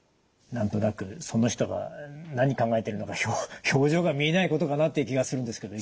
何となくその人が何考えてるのか表情が見えないことかなっていう気がするんですけど。